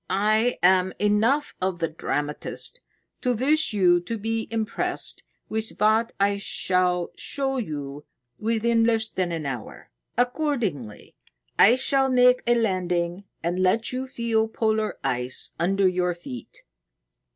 "I am enough of the dramatist to wish you to be impressed with what I shall show you within less than an hour. Accordingly, I shall make a landing and let you feel polar ice under your feet."